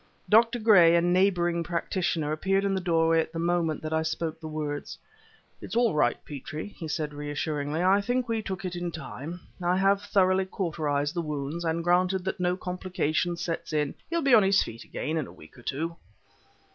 Dr. Gray, a neighboring practitioner, appeared in the doorway at the moment that I spoke the words. "It's all right, Petrie," he said, reassuringly; "I think we took it in time. I have thoroughly cauterized the wounds, and granted that no complication sets in, he'll be on his feet again in a week or two."